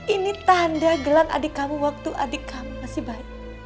ini tanda gelang adik kamu waktu adik kamu masih baik